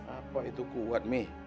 apa itu kuat nih